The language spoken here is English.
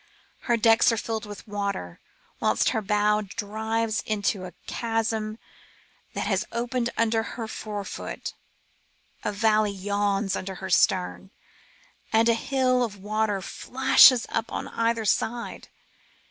Her decks are filled with water. Whilst her bows dive into a chasm that has opened under her fore foot, a valley yawns under her stern, and a hill of water flashes up on either side.